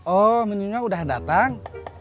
oh minumnya udah datang